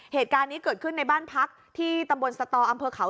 เหตุการณ์นี้เกิดขึ้นในมันพักอัตรบนสตรอำเภอเขา